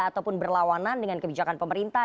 ataupun berlawanan dengan kebijakan pemerintah